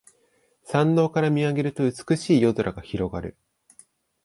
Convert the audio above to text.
山道から見上げると美しい夜空が広がる